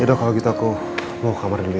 yaudah kalau gitu aku mau ke kamar dulu ya